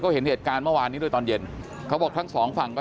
เห็นเหตุการณ์เมื่อวานนี้ด้วยตอนเย็นเขาบอกทั้งสองฝั่งก็